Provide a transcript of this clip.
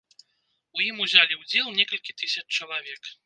У ім узялі ўдзел некалькі тысяч чалавек.